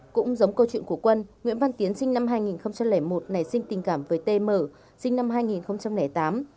cũng giống câu chuyện của quân nguyễn văn tiến sinh năm hai nghìn một nảy sinh tình cảm với t mở sinh năm hai nghìn tám